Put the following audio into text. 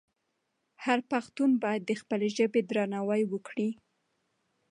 هر پښتون باید د خپلې ژبې درناوی وکړي.